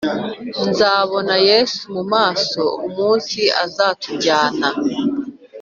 nzabona yesu mu maso, umuns’ azatujyana